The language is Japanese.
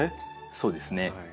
そうですね。